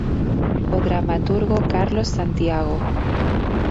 O dramaturgo Carlos Santiago.